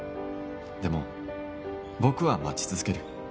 でも僕は待ち続ける